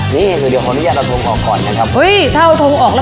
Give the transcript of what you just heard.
นี่เดี๋ยวคนดินยันเอาทรงออกก่อนใช่ไหมครับเฮ้ยถ้าเอาทรงออกแล้ว